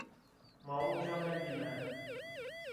Ma uca mendîme